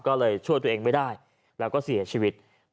ก็เลยช่วยตัวเองไม่ได้แล้วก็เสียชีวิต